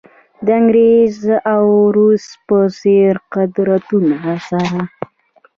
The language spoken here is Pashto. د انګریز او روس په څېر قدرتونو سره.